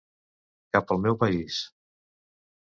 Cap al meu país!